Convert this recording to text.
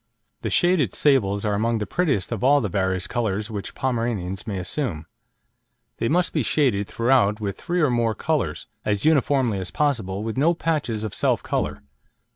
The shaded sables are among the prettiest of all the various colours which Pomeranians may assume. They must be shaded throughout with three or more colours, as uniformly as possible, with no patches of self colour.